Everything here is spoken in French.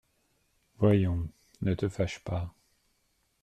Voyons, ne te fâche pas…